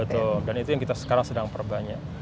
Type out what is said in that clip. betul dan itu yang kita sekarang sedang perbanyak